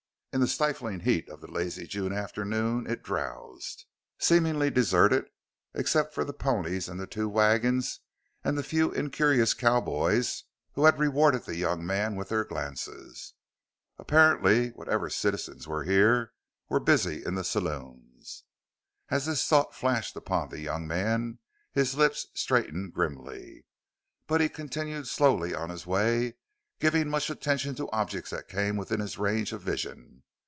In the stifling heat of the lazy June afternoon it drowsed, seemingly deserted except for the ponies and the two wagons, and the few incurious cowboys who had rewarded the young man with their glances. Apparently whatever citizens were here were busy in the saloons. As this thought flashed upon the young man his lips straightened grimly. But he continued slowly on his way, giving much attention to objects that came within his range of vision.